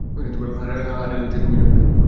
আরে, তুমি জানলে কিভাবে?